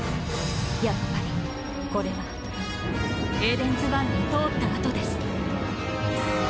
やっぱりこれはエデンズワンの通った跡です。